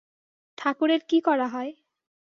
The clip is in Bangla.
ঠাকুরের কী করা হয়?